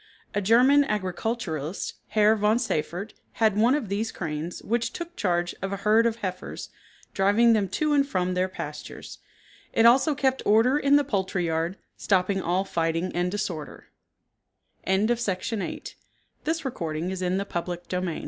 A German agriculturist, Herr von Seyffert, had one of these cranes which took charge of a herd of heifers, driving them to and from their pastures. It also kept order in the poultry yard, stopping all fighting and disorder. [Illustration: PRES. BY VAUGHN'S SEED CO. AMERICAN MISTLETOE. 1/2